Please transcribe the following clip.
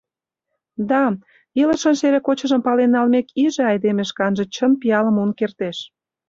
Да, илышын шере-кочыжым пален налмек иже айдеме шканже чын пиалым муын кертеш.